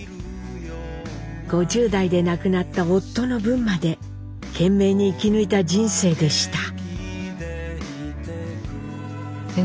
５０代で亡くなった夫の分まで懸命に生き抜いた人生でした。